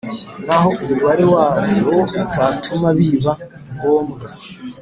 n’aho umubare wabyo utatuma biba ngombwa.